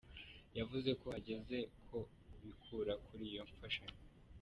Yavuze ko hageze ko bikura kuri iyo mfashanyo.